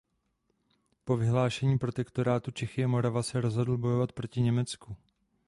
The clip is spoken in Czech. Po vyhlášení Protektorátu Čechy a Morava se rozhodl bojovat proti Německu.